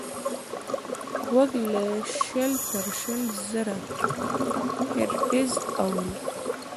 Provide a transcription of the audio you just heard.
غوږ له شل تر شل زره هیرټز اوري.